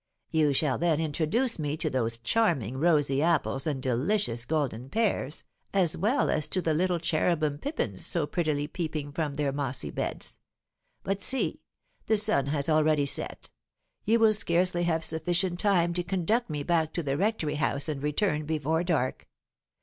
You shall then introduce me to those charming rosy apples and delicious golden pears, as well as to the little cherubim pippins so prettily peeping from their mossy beds. But see! the sun has already set; you will scarcely have sufficient time to conduct me back to the rectory house and return before dark.